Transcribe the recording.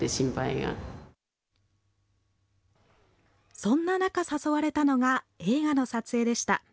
そんな中、誘われたのが映画の撮影でした。